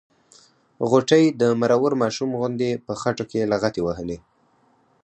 غوټۍ د مرور ماشوم غوندې په خټو کې لغتې وهلې.